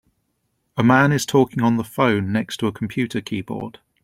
A man is talking on the phone next to a computer keyboard.